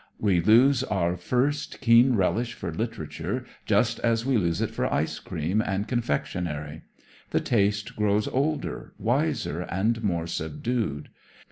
We lose our first keen relish for literature just as we lose it for ice cream and confectionery. The taste grows older, wiser and more subdued.